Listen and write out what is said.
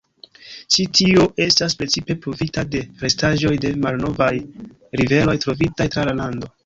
Ĉi tio estas precipe pruvita de restaĵoj de malnovaj riveroj trovitaj tra la lando.